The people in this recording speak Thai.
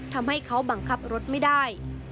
ทำให้เขาบังคับรถไม่ได้